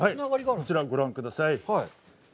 こちらをご覧ください。